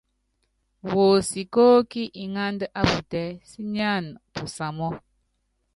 Wuosikóókí iŋánda á putɛ́ sínyáana pusamɔ́.